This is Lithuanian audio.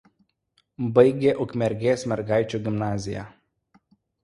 Baigė Ukmergės mergaičių gimnaziją.